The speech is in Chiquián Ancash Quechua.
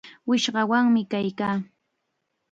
Wishqawanmi kaykaa.